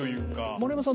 丸山さん